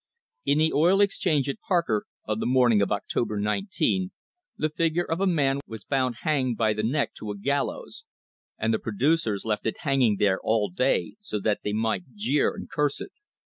In the oil exchange at Parker, on the morning of October 19, the figure of a man was found hanged by the neck to a gallows, and the producers left it hanging there all day, so that they might jeer and curse it.